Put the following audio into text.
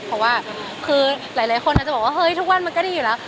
เพราะว่าคือหลายคนอาจจะบอกว่าเฮ้ยทุกวันมันก็ดีอยู่แล้ว